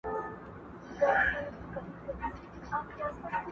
نه ادا سول د سرکار ظالم پورونه؛